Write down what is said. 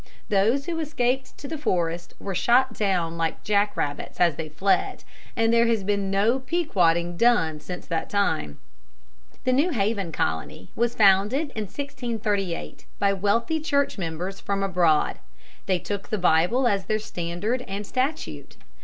Those who escaped to the forest were shot down like jack rabbits as they fled, and there has been no Pequoding done since that time. The New Haven Colony was founded in 1638 by wealthy church members from abroad. They took the Bible as their standard and statute.